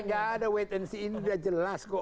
gak ada wait and see ini udah jelas kok